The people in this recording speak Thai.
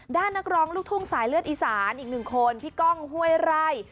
นักร้องลูกทุ่งสายเลือดอีสานอีกหนึ่งคนพี่ก้องห้วยไร่